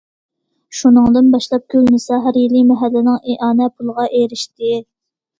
شۇنىڭدىن باشلاپ گۈلنىسا ھەر يىلى مەھەللىنىڭ ئىئانە پۇلىغا ئېرىشتى.